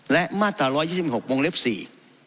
และมาตรา๑๒๖มเลข๔